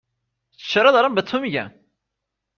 چرا دارم به تو می گم؟